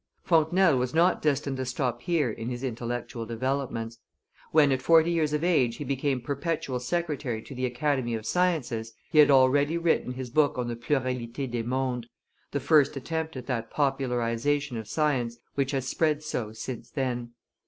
Fontenelle was not destined to stop here in his intellectual developments; when, at forty years of age, he became perpetual secretary to the Academy of Sciences, he had already written his book on the Pluralite des Mondes, the first attempt at that popularization of science which has spread so since then.